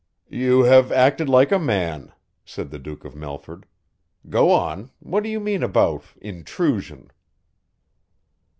"You have acted like a man," said the Duke of Melford, "go on what do you mean about intrusion?"